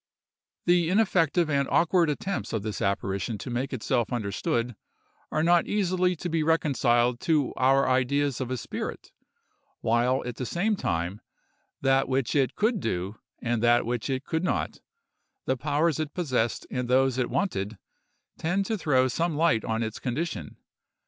The ineffective and awkward attempts of this apparition to make itself understood, are not easily to be reconciled to our ideas of a spirit, while, at the same time, that which it could do, and that which it could not—the powers it possessed and those it wanted—tend to throw some light on its condition.